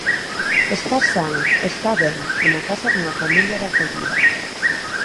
Está san, está ben, e na casa dunha familia de acollida.